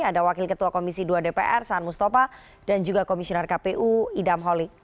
ada wakil ketua komisi dua dpr saan mustafa dan juga komisioner kpu idam holik